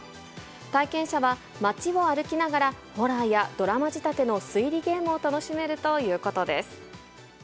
体験者は、街を歩きながら、ホラーやドラマ仕立ての推理ゲームを楽しめるということです。